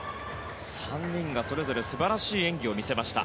３人がそれぞれ素晴らしい演技を見せました。